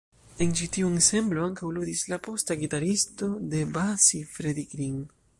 En ĉi tiu ensemblo ankaŭ ludis la posta gitaristo de Basie, Freddie Green.